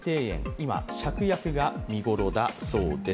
今、シャクヤクが見頃だそうです。